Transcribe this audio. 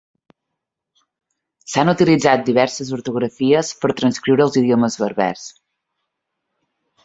S'han utilitzat diverses ortografies per transcriure els idiomes berbers.